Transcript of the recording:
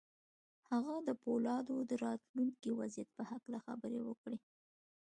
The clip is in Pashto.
هغه د پولادو د راتلونکي وضعیت په هکله خبرې وکړې